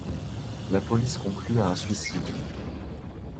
La police conclut à un suicide.